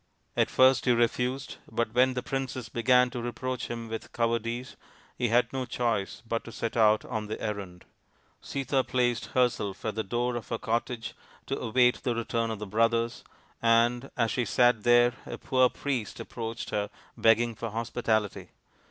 At first he refused, but when the princess began to reproach him with cowardice he had no choice but to set out on the errand. Sita placed herself at the door of her cottage to await the return of the brothers, and as she sat there a poor priest approached her begging for hospitality.